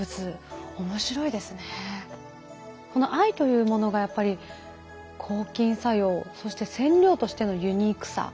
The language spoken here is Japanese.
この藍というものがやっぱり抗菌作用そして染料としてのユニークさ。